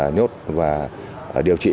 nhốt và điều trị